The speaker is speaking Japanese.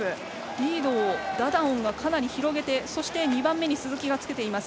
リードをダダオンがかなり広げてそして、２番目に鈴木がつけています。